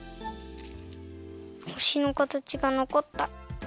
ほしのかたちがのこった！